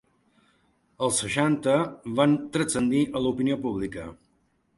Als seixanta, van transcendir a l’opinió pública.